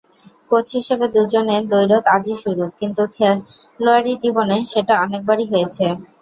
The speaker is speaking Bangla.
কোচ হিসেবে দুজনের দ্বৈরথ আজই শুরু, কিন্তু খেলোয়াড়ী জীবনে সেটা অনেকবারই হয়েছে।